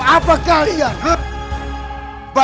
kau akan menang